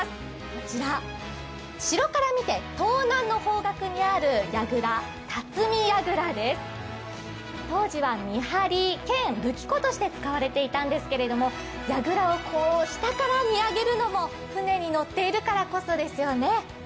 こちら、城から見て東南の方角にあるやぐら、巽やぐらです、当時は見張り兼武器庫として使われていたんですが、やぐらを下から見上げるのも舟に乗っているからこそですよね。